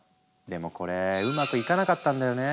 でもこれうまくいかなかったんだよね。